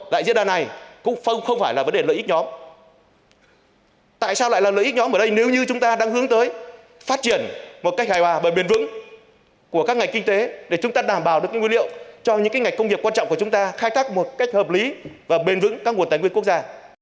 tại diễn đàn này cũng không phải là vấn đề lợi ích nhóm tại sao lại là lợi ích nhóm ở đây nếu như chúng ta đang hướng tới phát triển một cách hài hòa bởi bền vững của các ngành kinh tế để chúng ta đảm bảo được nguyên liệu cho những ngành công nghiệp quan trọng của chúng ta khai thác một cách hợp lý và bền vững các nguồn tài nguyên quốc gia